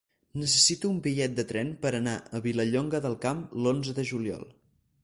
Necessito un bitllet de tren per anar a Vilallonga del Camp l'onze de juliol.